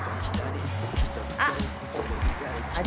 あっ！